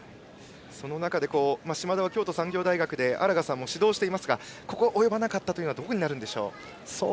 その中で嶋田は京都産業大学で荒賀さんも指導していますがここで及ばなかったのはどこになるんでしょう。